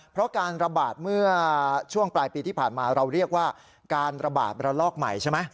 เพราะการระบาดเมื่อช่วงปลายปีที่ผ่านมาเราเรียกว่าการระบาดระลอกใหม่ใช่ไหม